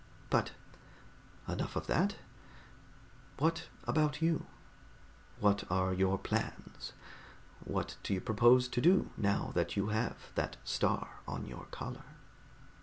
But enough of that. What about you? What are your plans? What do you propose to do now that you have that star on your collar?"